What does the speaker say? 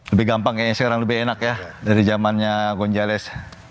lebih gampang kayaknya sekarang lebih enak ya dari zamannya gonjalez